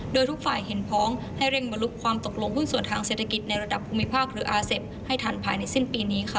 โดยทุกฝ่ายเห็นพ้องให้เร่งบรรลุความตกลงหุ้นส่วนทางเศรษฐกิจในระดับภูมิภาคหรืออาเซฟให้ทันภายในสิ้นปีนี้ค่ะ